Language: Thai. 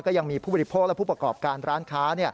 ก็ยังมีผู้บริโภคและผู้ประกอบการร้านค้า